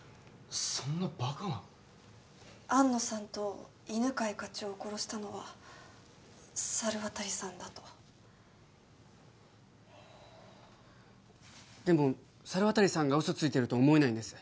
そんなバカな安野さんと犬飼課長を殺したのは猿渡さんだとでも猿渡さんがウソついてると思えないんです